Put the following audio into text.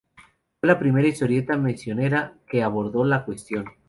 Fue la primera historieta misionera que abordó la cuestión.